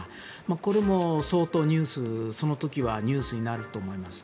これも相当、その時はニュースになると思います。